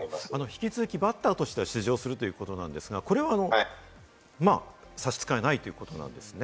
引き続きバッターとしては出場するということですが、差し支えないということですよね？